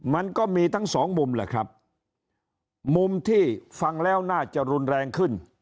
มันก็มีทั้งสองมุมแหละครับมุมที่ฟังแล้วน่าจะรุนแรงขึ้น